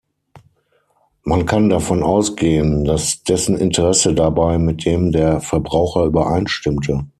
Man kann davon ausgehen, dass dessen Interesse dabei mit dem der Verbraucher übereinstimmte.